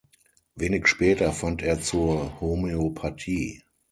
Wenig später fand er zur Homöopathie.